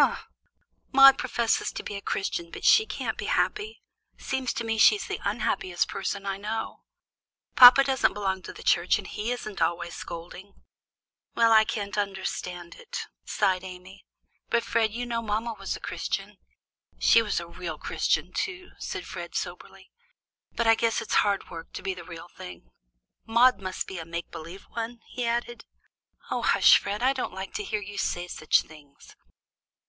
"Humph! Maude professes to be a Christian, but she can't be happy. Seems to me she's the unhappiest person I know. Papa doesn't belong to the church, but he isn't always scolding." "Well, I can't understand it," sighed Amy. "But, Fred, you know mama was a Christian." "She was a real Christian, too," said Fred soberly. "But I guess it's hard work to be the real thing. Maude must be a make believe one," he added. "Oh, hush, Fred! I don't like to hear you say such things."